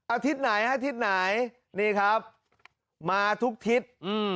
อาทิตย์ไหนอาทิตย์ไหนนี่ครับมาทุกทิศอืม